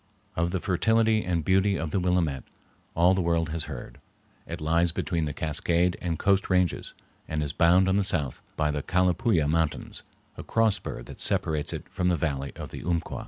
Of the fertility and beauty of the Willamette all the world has heard. It lies between the Cascade and Coast Ranges, and is bounded on the south by the Calapooya Mountains, a cross spur that separates it from the valley of the Umpqua.